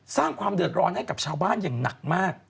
สร้างความเดือดร้อนให้กับชาวบ้านอย่างหนักมาก